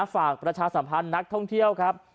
ประชาสัมพันธ์นักท่องเที่ยวครับ